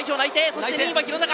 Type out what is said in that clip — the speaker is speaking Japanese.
そして２位は弘中！